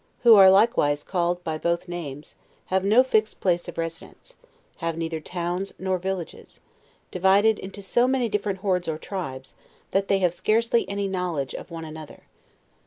Who are likewise called by both names, have no fixed place of residence; have neither towns nor villages; divided into so many different hordes or tribes, that they have scarcely any knowledge of one anoth er.